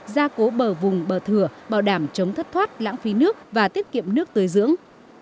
gia cố bờ vùng bờ thửa bảo đảm chống thất thoát lãng phí nước và tiết kiệm nước tưới dưỡng